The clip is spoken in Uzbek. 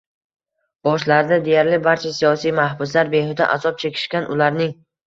boshlarida deyarli barcha siyosiy mahbuslar behuda azob chekishgan - ularning